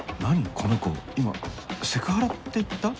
この子今セクハラって言った？